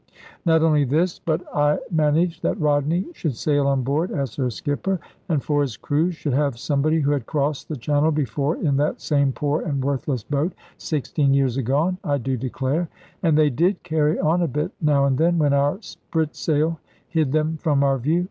Not only this, but I managed that Rodney should sail on board as her skipper, and for his crew should have somebody who had crossed the channel before in that same poor and worthless boat, sixteen years agone, I do declare! And they did carry on a bit, now and then, when our sprit sail hid them from our view.